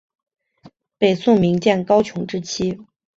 北宋名将高琼之妻。